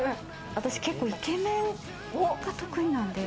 私、イケメンが得意なんで。